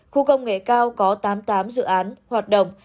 khu công nghệ cao có tám mươi tám dự án hoạt động